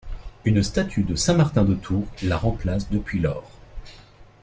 Une statue de Saint Martin de Tours la remplace depuis lors.